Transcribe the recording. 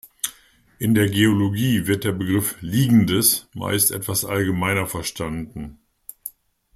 In der Geologie wird der Begriff "Liegendes" meist etwas allgemeiner verstanden.